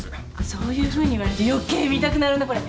そういうふうに言われると余計見たくなるなこれ。